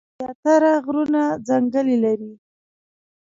زيات تره غرونه ځنګلې لري ـ